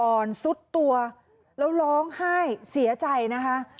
ซุดตัวแล้วร้องไห้เสียใจนะคะ